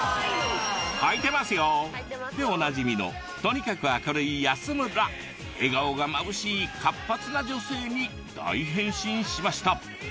「はいてますよ」でおなじみの笑顔がまぶしい活発な女性に大変身しました。